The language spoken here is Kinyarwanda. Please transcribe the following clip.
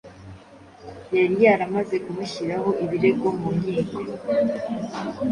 yari yaramaze kumushyiraho ibirego mu nkiko.